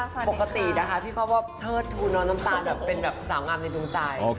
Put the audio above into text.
ปกติพี่เขาว่าเทอดทูนน้องน้ำตาลเป็นสาวงามในตรงใจ